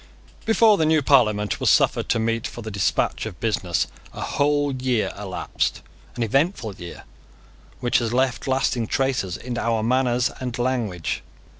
Before the new Parliament was suffered to meet for the despatch of business a whole year elapsed, an eventful year, which has left lasting traces in our manners and language.